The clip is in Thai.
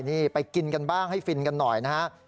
นี่ไปกินกันบ้างให้ฟินกันหน่อยนะฮะ